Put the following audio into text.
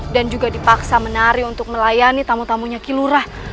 dan juga dipaksa menari untuk melayani tamu tamunya kilurah